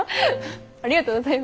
ありがとうございます。